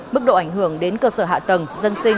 mức độ ảnh hưởng đến cơ sở hạ tầng dân sinh